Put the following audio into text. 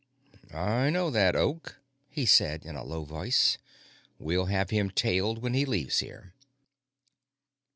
"I know that, Oak," he said in a low voice. "We'll have him tailed when he leaves here."